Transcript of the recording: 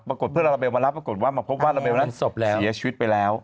เพื่อนลาลาเบลมารับปรากฏว่ามาพบว่าลาลาเบลนั้นเสียชีวิตไปแล้ว